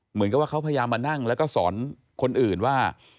เหมือนกับว่าเขาพยายามมานั่งแล้วก็สอนคนอื่นว่า